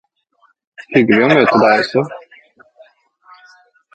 Hyggelig å møte deg også